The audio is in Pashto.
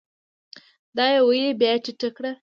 دا يې ويلې بيا ټيټه کړه ؟